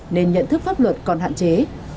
nên nhận thức pháp luật còn hạn chế